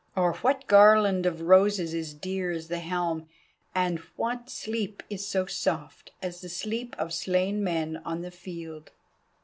Or what garland of roses is dear as the helm, and what sleep is so soft As the sleep of slain men on the field?"